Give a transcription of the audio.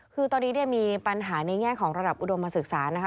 คือตอนนี้เนี่ยมีปัญหาในแง่ของระดับอุดมศึกษานะคะ